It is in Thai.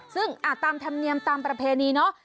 ซึ่งตามธรรมเนียมตามประเพณีเนาะ